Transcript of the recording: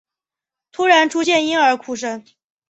突然出现婴儿哭声